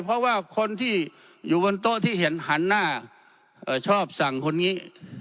เพราะว่าคนที่อยู่บนโต๊ะที่เห็นหันหน้าชอบสั่งคนนี้